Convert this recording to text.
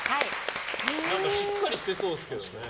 しっかりしてそうですけどね。